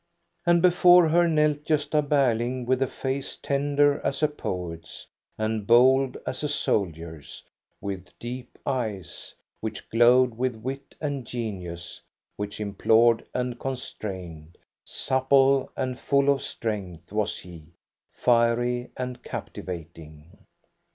And before her knelt Gosta Berling, with a face tender as a poet's and bold as a soldier's, with deep eyes, which glowed with wit and genius, which im plored and constrained. Supple and full of strength was he, fiery and captivating.